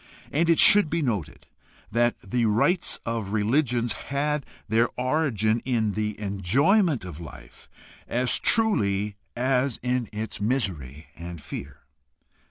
And it should be noted that the rites of religions had their origin in the enjoyment of life as truly as in its misery and fear.